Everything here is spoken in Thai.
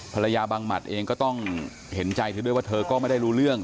บางหมัดเองก็ต้องเห็นใจเธอด้วยว่าเธอก็ไม่ได้รู้เรื่อง